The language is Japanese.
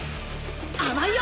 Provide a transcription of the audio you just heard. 甘いよ！